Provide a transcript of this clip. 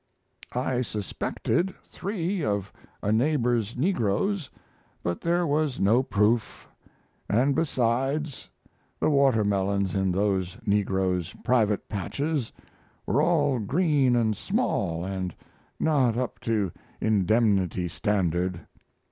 I suspected three of a neighbor's negroes, but there was no proof, and, besides, the watermelons in those negroes' private patches were all green and small and not up to indemnity standard.